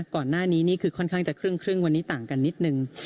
ก่อนหน้านี้นี่คือค่อนข้างจะครึ่งวันนี้ต่างกันนิดนึง